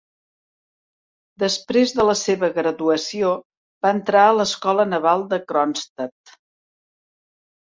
Després de la seva graduació, va entrar a l'escola naval de Kronstadt.